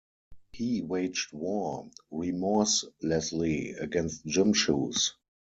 He waged war remorselessly against gym shoes.